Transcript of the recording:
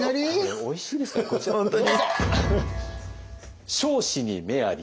おいしいですからこちらどうぞ！